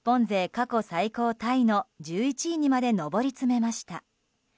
過去最高タイの１１位にまで上り詰めました。